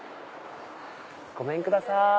ごめんください。